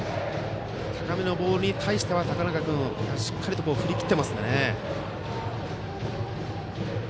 高めのボールに対しては高中君がしっかりと振り切っていますので。